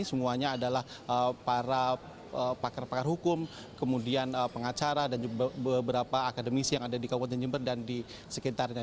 semuanya adalah para pakar pakar hukum kemudian pengacara dan beberapa akademisi yang ada di kabupaten jember dan di sekitarnya